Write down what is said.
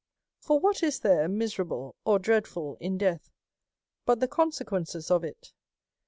" For what is there miserable or dreadful in death, f but the consequences of it?